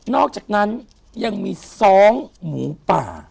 อกจากนั้นยังมีซ้องหมูป่า